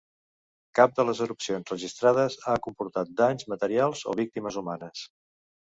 Cap de les erupcions registrades ha comportat danys materials o víctimes humanes.